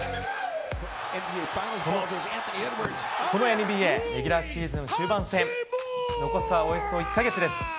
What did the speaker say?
そのＮＢＡレギュラーシーズン終盤戦残すはおよそ１か月です。